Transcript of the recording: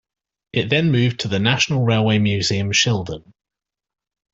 It then moved to the National Railway Museum Shildon.